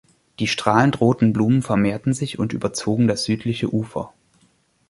Die strahlend roten Blumen vermehrten sich und überzogen das südliche Ufer.